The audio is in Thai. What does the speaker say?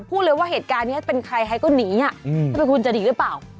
พูดเลยว่าเหตุการณ์นี้เป็นใครใครก็หนีถ้าเป็นคุณจะหนีหรือเปล่า